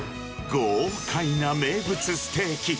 豪快な名物ステーキ。